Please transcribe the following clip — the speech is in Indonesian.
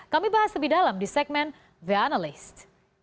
kami bahas lebih dalam di segmen the analyst